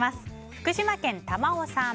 福島県の方。